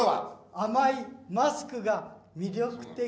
甘いマスクが魅力的。